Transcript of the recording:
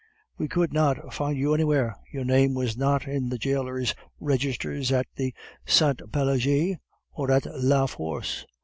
We could not find you anywhere. Your name was not in the jailers' registers at the St. Pelagie nor at La Force!